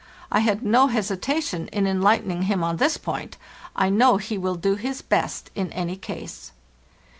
I had no hesitation in enlightening him on this point; I know he will do his best in any case.